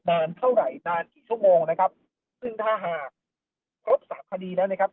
นานเท่าไหร่นานกี่ชั่วโมงนะครับซึ่งถ้าหากครบสามคดีแล้วนะครับ